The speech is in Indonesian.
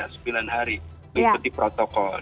sembilan hari mengikuti protokol